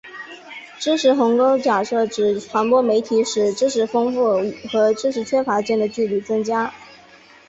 知识鸿沟假设指传播媒体使知识丰富和知识缺乏间的距离增加。